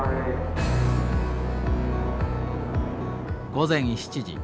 午前７時。